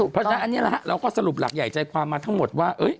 เพราะฉะนั้นอันนี้เราก็สรุปหลักใหญ่ใจความมาทั้งหมดว่า